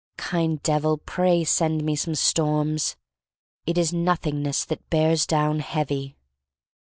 Kind Devil, pray send me some storms. It is Nothingness that bears down heavy.